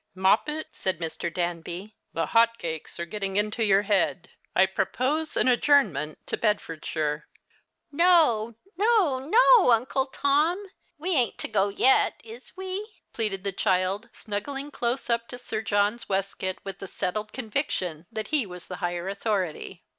" Moppet," said Mr. Danby, " the hot cakes are getting into your head. I propose an adjournment to Bedford shire." The Christmas Hirelings. Ill " No ! no ! NO ! Uncle Tom. We ain't to go yet, is we ?" jileaded the child, snuggling close up to Sir John's waistcoat, ^^ith the settled conviction that he was the higher authority.